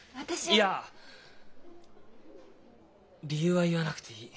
いや理由は言わなくていい。